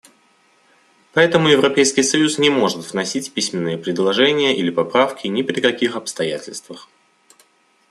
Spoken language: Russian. Поэтому Европейский союз не может вносить письменные предложения или поправки ни при каких обстоятельствах.